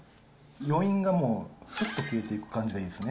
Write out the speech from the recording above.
余韻がもうすっと消えていく感じがいいですね。